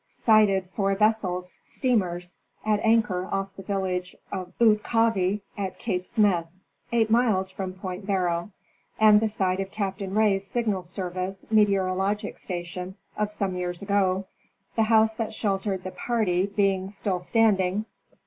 181 sighted four vessels—steamers—at anchor off the village of Ootkavie at Cape Smyth, 8 miles from Point Barrow, and the site of Captain Ray's Signal Service meteorologic station of some years ago, the house that sheltered the party being still stand ing.